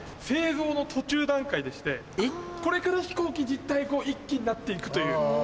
製造の途中段階でしてこれから飛行機１機になって行くという。